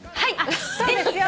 そうですよ。